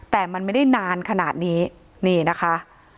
แต่มันไม่ได้นานขนาดนี้นี่นะคะ